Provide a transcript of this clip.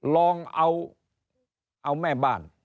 ลองเอาแม่บ้าน